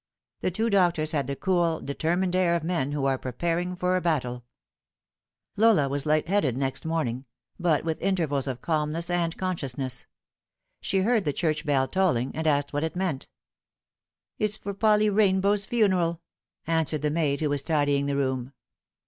The two doctors had the cool, determined air of men who are preparing for a battle. Drifting Apart. 69 Lola was light headed next morning ; but with intervals of calmness and consciousness. She heard the church bell tolling, and asked what it meant. " It's for Polly Kainbow's funeral," answered the maid who was tidying the room.